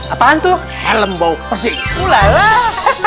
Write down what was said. apaan tuh helm bau persiksaan